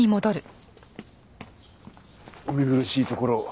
お見苦しいところを。